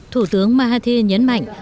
thủ tướng mahathir nhấn mạnh